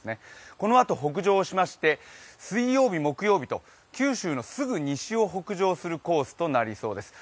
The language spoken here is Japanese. このあと、北上しまして水曜日、木曜日と九州のすぐ西を北上するコースとなりそうです。